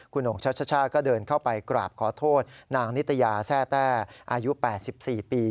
คุณหงชัชชาก็เดินเข้าไปกราบขอโทษนางนิตยาแซ่แต้อายุ๘๔ปี